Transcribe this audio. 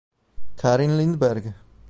Karin Lindberg